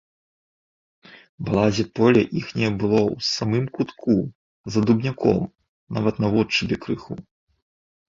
Балазе поле іхняе было ў самым кутку, за дубняком, нават наводшыбе крыху.